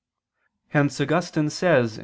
Hence Augustine says (De QQ.